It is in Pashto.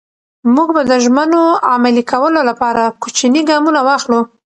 موږ به د ژمنو عملي کولو لپاره کوچني ګامونه واخلو.